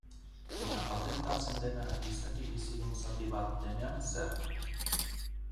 Eta patentatzen dena izaki bizidun zati bat denean zer?